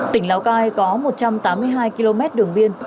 tỉnh lào cai có một trăm tám mươi hai km đường biên